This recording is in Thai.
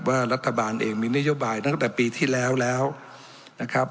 รัฐบาลเองมีนโยบายตั้งแต่ปีที่แล้วแล้วนะครับ